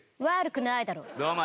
悪くないだろう。